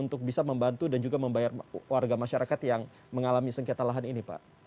untuk bisa membantu dan juga membayar warga masyarakat yang mengalami sengketa lahan ini pak